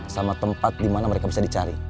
sama tempat dimana mereka bisa dicari